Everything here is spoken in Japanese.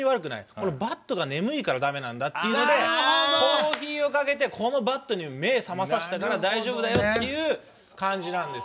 これはバットが眠いからだめなんだということでコーヒーをかけてこのバットに目を覚まさせたから大丈夫だよという感じなんです。